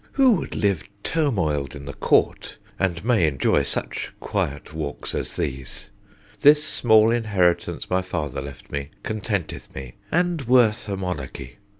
who would live turmoiléd in the court, And may enjoy such quiet walks as these! This small inheritance, my father left me, Contenteth me, and worth a monarchy.